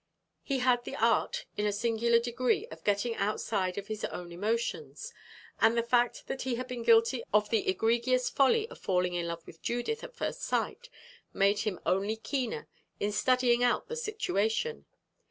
He had the art in a singular degree of getting outside of his own emotions; and the fact that he had been guilty of the egregious folly of falling in love with Judith at first sight made him only keener in studying out the situation.